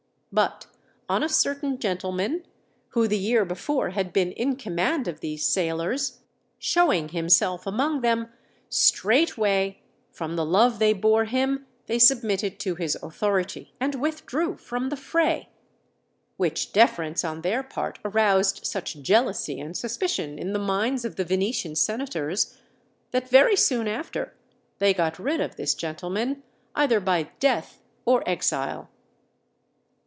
But on a certain gentleman, who the year before had been in command of these sailors, showing himself among them, straightway, from the love they bore him, they submitted to his authority and withdrew from the fray. Which deference on their part aroused such jealousy and suspicion in the minds of the Venetian senators that very soon after they got rid of this gentleman, either by death or exile.